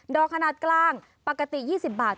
อกขนาดกลางปกติ๒๐บาท